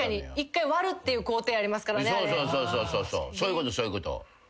そういうことそういうこと。